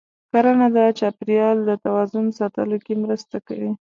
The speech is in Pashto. کرنه د چاپېریال د توازن ساتلو کې مرسته کوي.